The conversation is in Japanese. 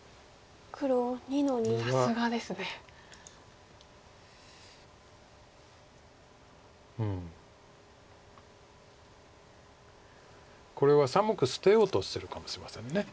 さすがですね。これは３目捨てようとするかもしれません。